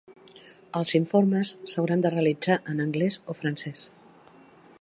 Els informes s'hauran de realitzar en anglès o francès.